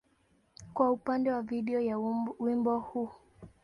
kwa upande wa video ya wimbo huu.